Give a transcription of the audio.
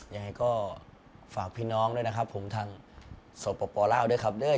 ยังไงก็ฝากพี่น้องด้วยนะครับผมทางสปลาวด้วยครับเด้อ